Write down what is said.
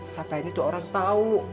sampai ini tuh orang tahu